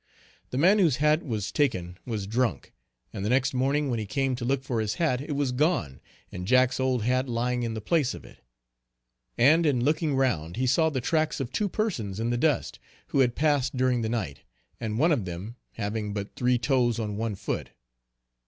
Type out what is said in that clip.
The man whose hat was taken was drunk; and the next morning when he came to look for his hat it was gone and Jack's old hat lying in the place of it; and in looking round he saw the tracks of two persons in the dust, who had passed during the night, and one of them having but three toes on one foot.